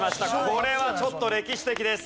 これはちょっと歴史的です。